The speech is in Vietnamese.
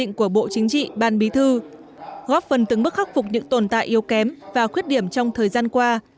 các đồng chí cán bộ trung ương của bộ chính trị ban bí thư góp phần từng bức khắc phục những tồn tại yếu kém và khuyết điểm trong thời gian qua